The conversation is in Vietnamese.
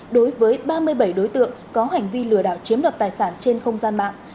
đối với ba mươi bảy đối tượng có hành vi lừa đảo chiếm đoạt tài sản trên không gian mạng